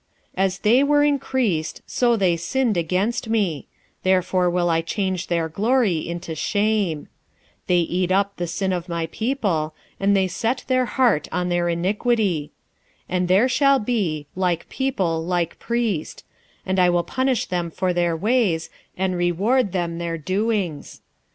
4:7 As they were increased, so they sinned against me: therefore will I change their glory into shame. 4:8 They eat up the sin of my people, and they set their heart on their iniquity. 4:9 And there shall be, like people, like priest: and I will punish them for their ways, and reward them their doings.